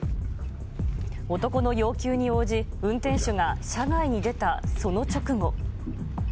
男の要求に応じ、運転手が車外に出たその直後。